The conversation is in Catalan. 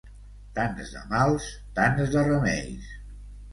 Tants de mals, tants de remeis.